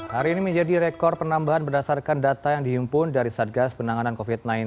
hari ini menjadi rekor penambahan berdasarkan data yang dihimpun dari satgas penanganan covid sembilan belas